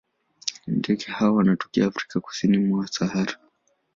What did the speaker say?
Ndege hawa wanatokea Afrika kusini mwa Sahara.